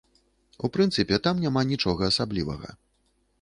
У прынцыпе, там няма нічога асаблівага.